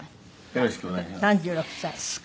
「よろしくお願いします」